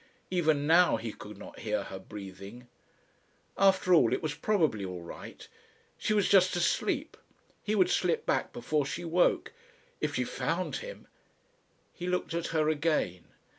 Even now he could not hear her breathing. After all, it was probably all right. She was just asleep. He would slip back before she woke. If she found him He looked at her again.